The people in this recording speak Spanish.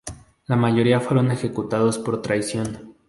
La mayoría fueron ejecutados por traición.